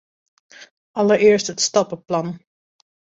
Allereerst het stappenplan.